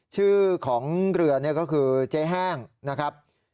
ชื่อของเรือนี่ก็คือเจ๊แห้งนะครับ